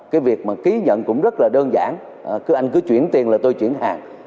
cái việc mà ký nhận cũng rất là đơn giản cứ anh cứ chuyển tiền là tôi chuyển hàng